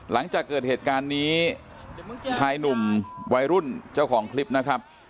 หลังจากเกิดเหตุการณ์นี้ชายหนุ่มวัยรุ่นเจ้าของคลิปนะครับ